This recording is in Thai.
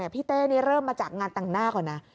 เต้นี่เริ่มมาจากงานแต่งหน้าก่อนนะ